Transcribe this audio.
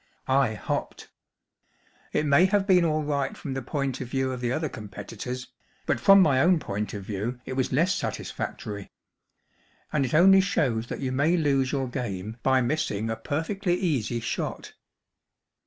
I hopped. It may have been all right from the point of view of the other competitors, but from my own point of view it was less satisfactory. And it # only shows that you may lose your game by missing a perfectly easy shot."